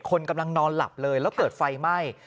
คนกำลังนอนหลับเลยแล้วเกิดไฟไหม้